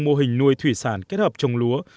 mô hình nuôi thủy sản kết hợp trồng lúa